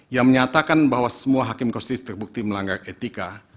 yang menyatakan bahwa semua hakim konstitusi terbukti melanggar etika